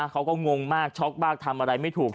เขาก็งงมากช็อกบ้างทำอะไรไม่ถูก